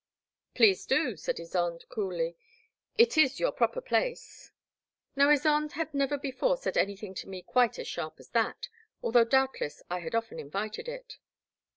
Please do," said Ysonde, coolly, "it is your proper place." 1 68 The Black Water. Now Ysonde had never before said anything to me quite as sharp as that, although doubtless I had often invited it.